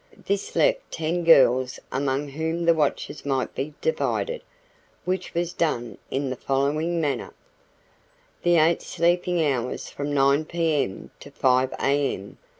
This left ten girls among whom the watches might be divided, which was done in the following manner: The eight sleeping hours from 9 P. M. to 5 A. M.